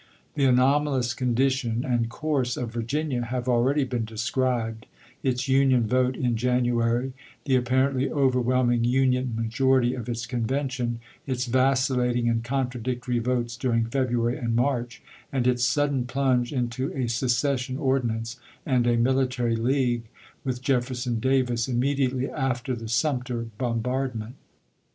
The anomalous condition and com se of Virginia have already been described — its Union vote in January, the apparently overwhelming Union ma jority of its convention, its vacillating and contra dictory votes during February and March, and its sudden plunge into a secession ordinance and a military league with Jefferson Davis immediately after the Sumter bombardment.